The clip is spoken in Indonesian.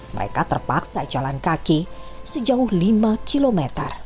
mereka terpaksa jalan kaki sejauh lima km